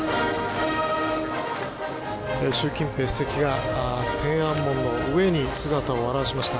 習近平主席が天安門の上に姿を現しました。